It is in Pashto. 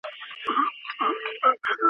زه چـي باندي دعوه وكړم